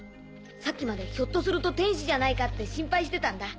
さっきまでひょっとすると天使じゃないかって心配してたんだ。